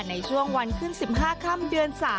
ในช่วงวันขึ้น๑๕ค่ำเดือน๓